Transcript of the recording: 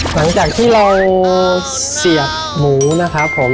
หลังจากที่เราเสียบหมูนะครับผม